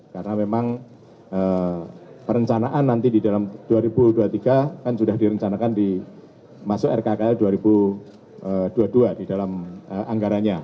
karena memang perencanaan nanti di dalam dua ribu dua puluh tiga kan sudah direncanakan masuk rkkl dua ribu dua puluh dua di dalam anggaranya